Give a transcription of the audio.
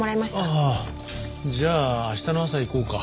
じゃあ明日の朝行こうか。